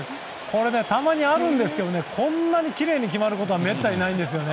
たまにあるんですけどこんなにきれいに決まることはめったにないんですよね。